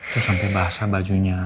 tuh sampe basah bajunya